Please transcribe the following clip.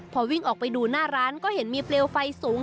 พอวิ่งออกไปดูหน้าร้านก็เห็นมีเปลวไฟสูง